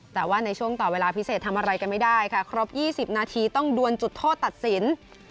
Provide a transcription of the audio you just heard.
แต่ว่าในช่วงต่อเวลาพิเศษทำอะไรกันไม่ได้ค่ะครบ๒๐นาทีต้องดวนจุดโทษตัดสิน